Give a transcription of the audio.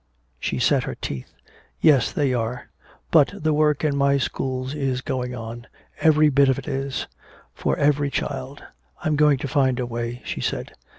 She set her teeth: "Yes, they are. But the work in my schools is going on every bit of it is for every child! I'm going to find a way," she said.